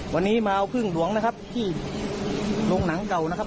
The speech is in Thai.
วันนี้มาเอาพึ่งหลวงนะครับที่โรงหนังเก่านะครับ